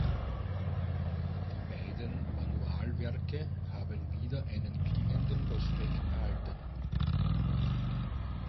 Die beiden Manualwerke haben wieder einen klingenden Prospekt erhalten.